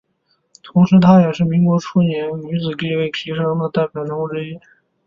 同时她也是民国初年女子地位提升的代表人物之一。